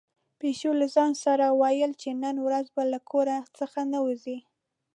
پيشو له ځان سره ویل چې نن ورځ به له کور څخه نه وځي.